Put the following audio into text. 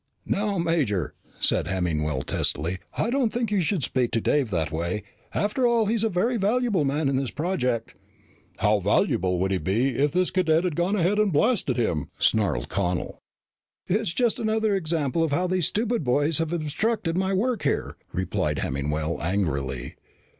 "Now, Major," said Hemmingwell testily, "I don't think you should speak to Dave that way. After all, he's a very valuable man in this project." "How valuable would he be if this cadet had gone ahead and blasted him?" snarled Connel. "It's just another example of how these stupid boys have obstructed my work here," replied Hemmingwell angrily.